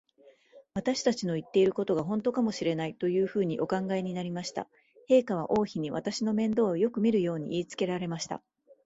私たちの言ってることが、ほんとかもしれない、というふうにお考えになりました。陛下は王妃に、私の面倒をよくみるように言いつけられました。